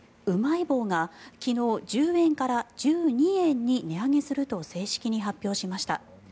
うまい棒が昨日１０円から１２円に値上げすると正式に発表しました。